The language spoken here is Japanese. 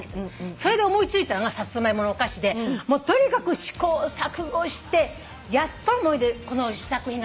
それで思い付いたのがサツマイモのお菓子でとにかく試行錯誤してやっとの思いでこの試作品ができました。